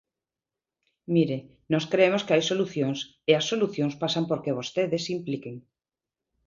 Mire, nós cremos que hai solucións, e as solucións pasan porque vostedes se impliquen.